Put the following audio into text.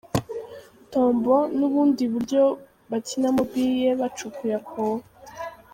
Tombo : ni ubundi buryo bakinamo biye bacukuye akobo.